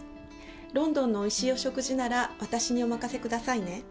ロンドンのおいしいお食事なら私にお任せ下さいね。